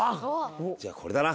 じゃあこれだな。